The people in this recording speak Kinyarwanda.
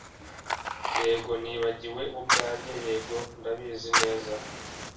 Yego nibagiwe ubwanjye yego ndabizi neza